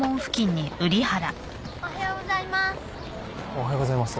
おはようございます。